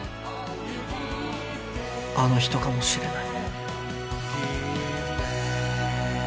あの人かもしれない。